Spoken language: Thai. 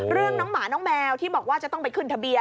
เรื่องน้องหมาน้องแมวที่บอกว่าจะต้องไปขึ้นทะเบียน